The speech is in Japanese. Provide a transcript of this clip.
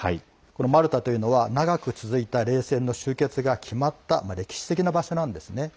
マルタというのは長く続いた冷戦の終結が決まった歴史的な場所なんです。